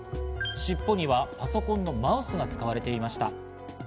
しっぽにはパソコンのマウスが使われていました。